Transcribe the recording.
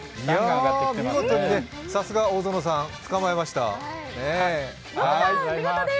さすが大園さん、見事につかまえました。